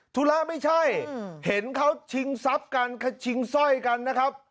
ธุระไม่ใช่เห็นเขาชิงทรัพย์กันชิงสร้อยกันนะครับ